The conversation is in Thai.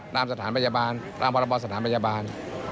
ตามสถานพยาบาลตามพรบสถานพยาบาล